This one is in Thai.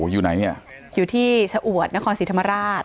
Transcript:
อยู่ไหนเนี่ยอยู่ที่ชะอวดนครศรีธรรมราช